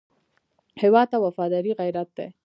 هېواد ته وفاداري غیرت دی